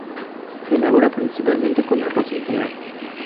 Se elabora principalmente con arroz integral.